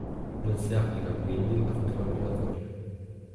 Non si applica quindi la tutela obbligatoria.